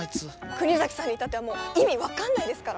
国崎さんに至ってはもう意味分かんないですから。